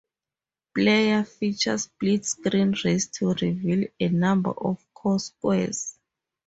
Player feature split-screen race to reveal a number of core squares.